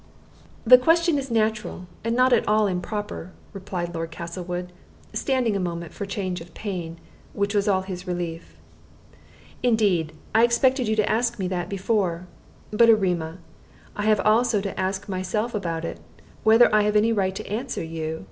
"The question is natural, and not at all improper," replied Lord Castlewood, standing a moment for change of pain, which was all his relief. "Indeed, I expected you to ask me that before. But, Erema, I have also had to ask myself about it, whether I have any right to answer you.